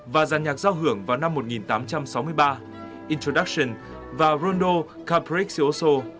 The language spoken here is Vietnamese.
và gian nhạc giao hưởng vào năm một nghìn tám trăm sáu mươi ba introduction và rondo capriccioso